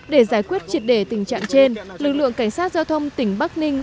để giải quyết triệt đề tình trạng trên lực lượng cảnh sát giao thông tỉnh bắc ninh